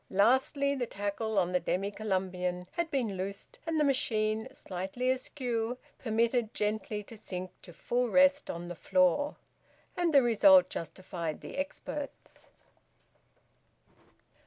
Lastly, the tackle on the Demy Columbian had been loosed, and the machine, slightly askew, permitted gently to sink to full rest on the floor: and the result justified the experts.